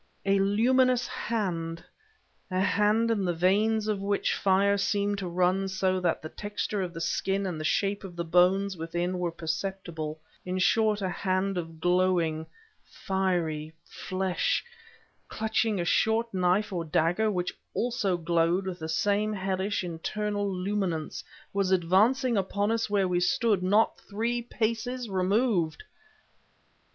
A luminous hand a hand in the veins of which fire seemed to run so that the texture of the skin and the shape of the bones within were perceptible in short a hand of glowing, fiery flesh clutching a short knife or dagger which also glowed with the same hellish, internal luminance, was advancing upon us where we stood was not three paces removed!